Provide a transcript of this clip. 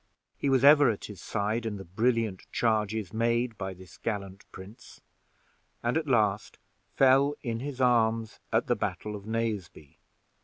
He was ever at his side in the brilliant charges made by this gallant prince, and at last fell in his arms at the battle of Naseby.